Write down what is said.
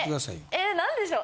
え何でしょう。